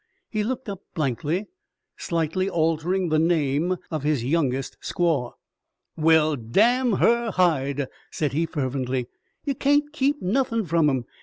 He looked up blankly, slightly altering the name of his youngest squaw. "Well, damn her hide!" said he fervently. "Ye kain't keep nothin' from 'em!